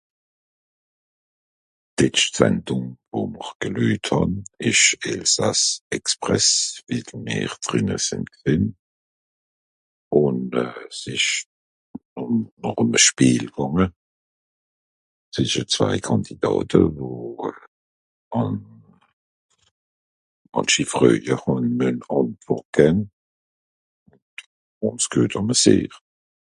d'letscht sandùng wo mr geleujt hàn esch elsass express wie d'maire drìnne sìn gsìn ùn euh s'esch ùn ùm à schpeel gànge s'esch à zwai kàndidàte wo euh àn ... freuje hàn mieun àntwòrt gän ùms geut (àmmesier)